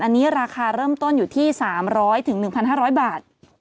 อันนี้ราคาเริ่มต้นอยู่ที่๓๐๐๑๕๐๐บาท